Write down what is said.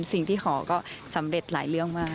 สิ่งที่ขอก็สำเร็จหลายเรื่องมาก